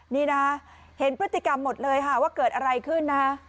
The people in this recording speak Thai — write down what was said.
นี่นะเห็นพฤติกรรมหมดเลยค่ะว่าเกิดอะไรขึ้นนะฮะ